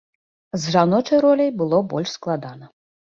З жаночай роляй было больш складана.